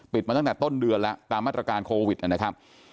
มาตั้งแต่ต้นเดือนแล้วตามมาตรการโควิดนะครับ